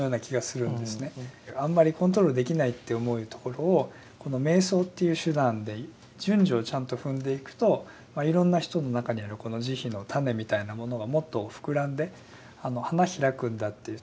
あんまりコントロールできないって思うところをこの瞑想っていう手段で順序をちゃんと踏んでいくといろんな人の中にあるこの慈悲の種みたいなものがもっと膨らんで花開くんだって。